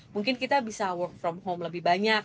mungkin kita bisa work from home lebih banyak